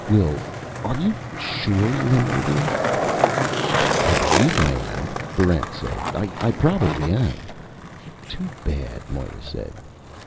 Will, are you sure you're a murderer?" "I believe I am," Barrent said. "I probably am." "Too bad," Moera said.